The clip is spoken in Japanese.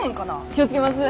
気を付けます。